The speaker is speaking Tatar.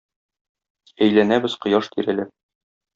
Әйләнәбез Кояш тирәләп.